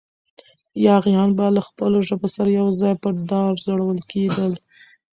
یاغیان به له خپلو ژبو سره یو ځای په دار ځړول کېدل.